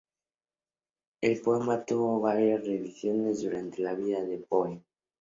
El poema tuvo varias revisiones durante la vida de Poe.